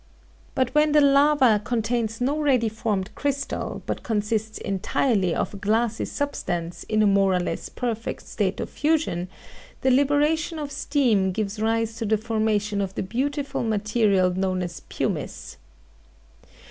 But when the lava contains no ready formed crystals, but consists entirely of a glassy substance in a more or less perfect state of fusion, the liberation of steam gives rise to the formation of the beautiful material known as "pumice."